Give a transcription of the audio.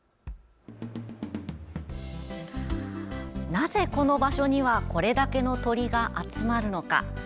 なぜ、この場所にはこれだけの鳥が集まるのか？